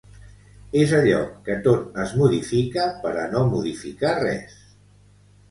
És allò que tot es modifica per a no modificar res.